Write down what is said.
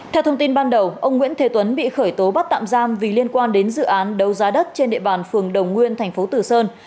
theo thông tin ban đầu ông nguyễn thế tuấn bị khởi tố bắt tạm giam vì liên quan đến dự án đấu giá đất trên địa bàn phường đồng nguyên thành phố tử sơn